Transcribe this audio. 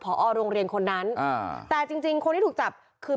ผอโรงเรียนคนนั้นแต่จริงคนที่ถูกจับคือ